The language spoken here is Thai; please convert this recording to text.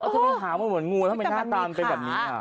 ถ้าเป็นหางมันเหมือนงูทำไมหน้าตามเป็นแบบนี้